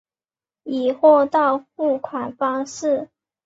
以货到付款方式